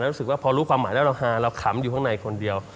รู้สึกว่าพอรู้ความหมายแล้วเราฮาเราขำอยู่ข้างในคนเดียว